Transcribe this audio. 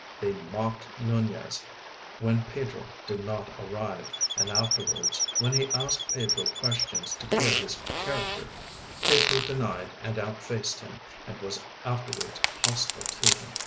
They mocked Nunez when Pedro did not arrive, and afterwards, when he asked Pedro questions to clear his character, Pedro denied and outfaced him, and was afterwards hostile to him.